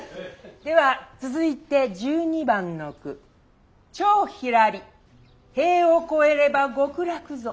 では続いて１２番の句「蝶ひらり塀を越えれば極楽ぞ」。